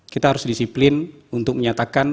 kita harus disiplin untuk menyatakan